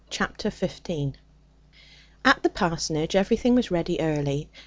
Chapter 15 At the parsonage everything was ready early.